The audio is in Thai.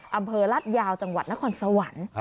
อำเภอลาดยาวจังหวัดนครสวรรค์